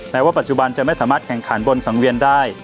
ว่าปัจจุบันจะไม่สามารถแข่งขันบนสังเวียนได้